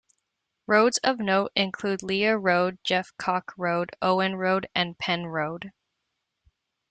Roads of note include Lea Road, Jeffcock Road, Owen Road and Penn Road.